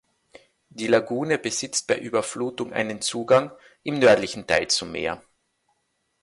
Die Lagune besitzt bei Überflutung einen Zugang im nördlichen Teil zum Meer.